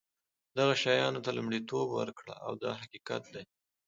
دغه شیانو ته لومړیتوب ورکړه دا حقیقت دی.